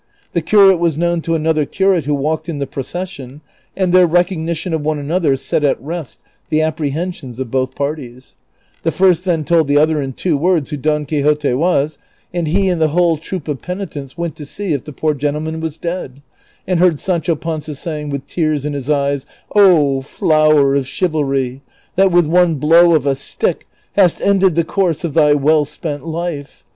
The curate was known to another curate who walked in the procession, and their recognition of one another set at rest the apprehensions of both parties ; the iirst then told the other in two words who Don Quixote was, and he and the whole troop of penitents went to see if the poor gentleman was dead, and heard Sancho Panza saying, with tears in his eyes, '* Oh flower of chivalry, that with one 1)low of a stick hast ended the course of thy well spent life